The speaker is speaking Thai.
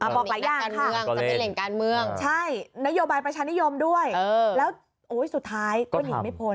บอกหลายอย่างค่ะใช่นโยบายประชานิยมด้วยแล้วโอ้ยสุดท้ายก็หนีไม่พ้น